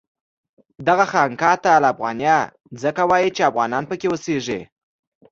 دغه خانقاه ته الافغانیه ځکه وایي چې افغانان پکې اوسېږي.